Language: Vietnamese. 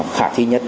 khả thi nhất